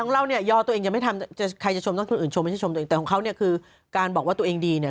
เราไม่ค่อยทำกัน